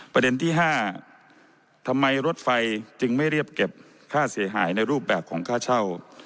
ประเด็นที่๕ทำไมรถไฟจึงไม่เรียบเก็บค่าเสียหายในรูปแบบของค่าเช่า